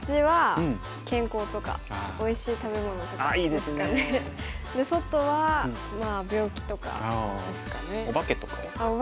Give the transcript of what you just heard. で外はまあ病気とかですかね。